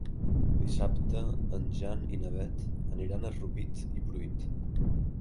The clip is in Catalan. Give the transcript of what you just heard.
Dissabte en Jan i na Beth aniran a Rupit i Pruit.